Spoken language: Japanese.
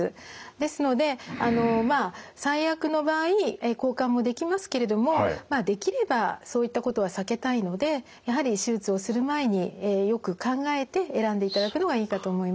ですのでまあ最悪の場合交換もできますけれどもまあできればそういったことは避けたいのでやはり手術をする前によく考えて選んでいただくのがいいかと思います。